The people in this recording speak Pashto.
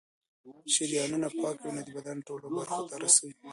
شریانونه پاکه وینه د بدن ټولو برخو ته رسوي.